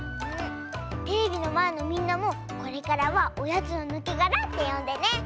テレビのまえのみんなもこれからは「おやつのぬけがら」ってよんでね。